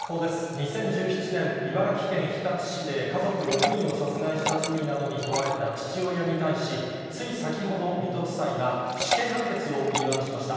２０１７年、茨城県日立市で家族６人を殺害した罪などに問われた父親に対し、つい先ほど、水戸地裁は、死刑判決を言い渡しました。